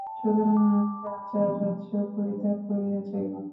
সুতরাং আমি রাজার রাজ্য পরিত্যাগ করিয়া যাইব।